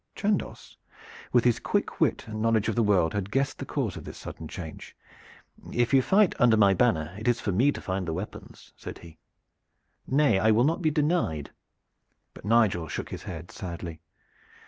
Chandos, with his quick wit and knowledge of the world, had guessed the cause of this sudden change. "If you fight under my banner it is for me to find the weapons," said he. "Nay, I will not be denied." But Nigel shook his head sadly.